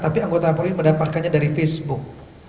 tapi anggota polri mendapatkannya dari facebook